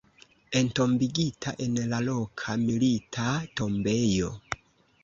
Entombigita en la loka Milita Tombejo.